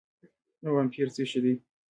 او امپير څه شي دي